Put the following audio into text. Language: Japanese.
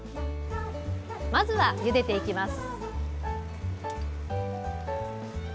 まずはゆでていきます